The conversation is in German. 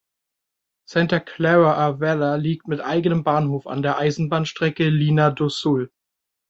Santa Clara-a-Velha liegt mit eigenem Bahnhof an der Eisenbahnstrecke Linha do Sul.